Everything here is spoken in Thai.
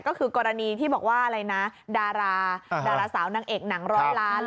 ก็คือกรณีที่บอกว่าดาราสาวนางเอกนางร้อยร้าน